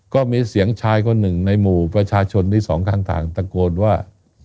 ก็มีเสียงชายคนหนึ่งในหมู่ประชาชนที่สองข้างทางตะโกนว่า